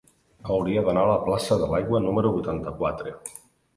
Hauria d'anar a la plaça de l'Aigua número vuitanta-quatre.